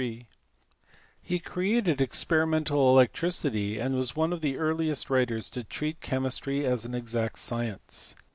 Recreated experimental electricity, and was one of the earliest writers to treat chemistry as an exact science.